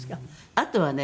あとはね